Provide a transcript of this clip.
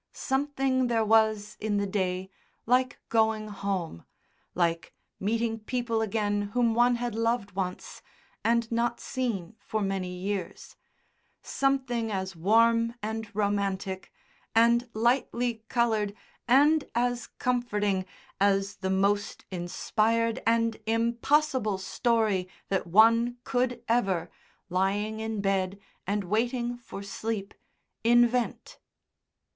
Something there was in the day like going home, like meeting people again whom one had loved once, and not seen for many years, something as warm and romantic and lightly coloured and as comforting as the most inspired and impossible story that one could ever, lying in bed and waiting for sleep, invent.